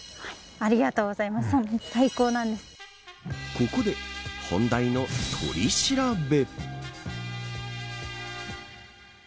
ここで本題の取り調べ。